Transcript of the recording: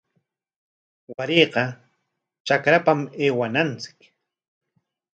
Warayqa trakrapam aywananchik.